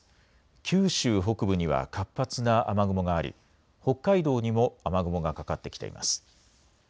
九州北部には活発な雨雲があり北海道にも雨雲がかかってきています。